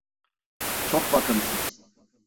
Çok bakımsız…